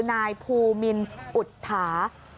นายภูมินอุทา